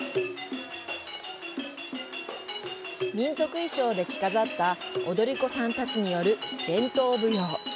民族衣装で着飾った踊り子さんたちによる伝統舞踊。